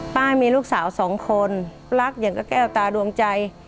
มีลูกสาวสองคนรักอย่างกับแก้วตาดวงใจ